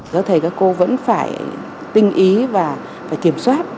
các thầy các cô vẫn phải tinh ý và phải kiểm soát